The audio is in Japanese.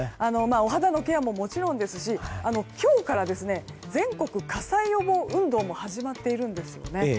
お肌のケアももちろんですし今日から全国火災予防運動も始まっているんですよね。